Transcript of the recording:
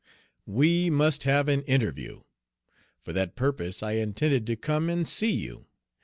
"We must have an interview. For that purpose I intended to come and see you.